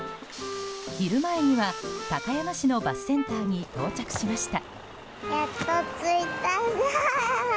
昼前には高山市のバスセンターに到着しました。